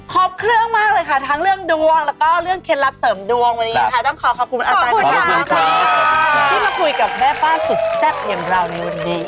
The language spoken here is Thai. หอบเครื่องมากเลยค่ะทั้งเรื่องดวงแล้วก็เรื่องเข็นรับเสริมดวงต้องขอขอบคุณอาจารย์ที่มาคุยกับแม่บ้านสุดแทบอย่างราวในวันนี้